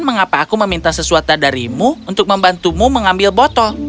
mengapa aku meminta sesuatu darimu untuk membantumu mengambil botol